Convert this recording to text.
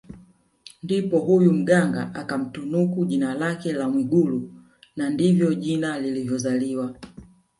Ndipo huyo Mganga akamtunuku jina lake la Mwigulu na ndivyo jina lilivyozaliwa